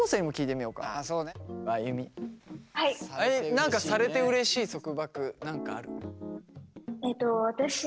何かされてうれしい束縛何かある？